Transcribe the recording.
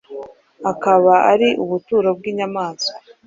akaba ari ubuturo bw’inyamaswa